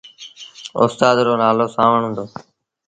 اُستآد رو نآلو سآݩوڻ هُݩدو۔